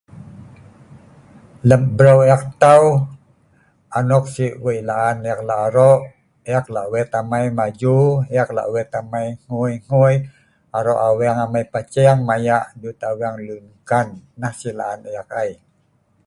lem breu ek tau anok sik weik la'an ek lak arok ek lak wet amei maju ek lak wet amei hngui hngui arok aweng amei paceng mayak dut aweng lunkan nah sik la'an ek ai